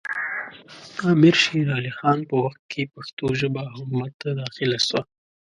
د امیر شېر علي خان په وخت کې پښتو ژبه حکومت ته داخله سوه